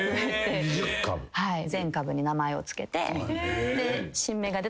全株に名前を付けて。